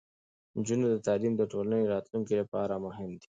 د نجونو تعلیم د ټولنې راتلونکي لپاره مهم دی.